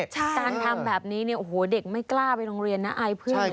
การทำแบบนี้เนี่ยโอ้โหเด็กไม่กล้าไปโรงเรียนนะอายเพื่อนเลย